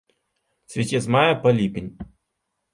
Цвіце з мая па ліпень.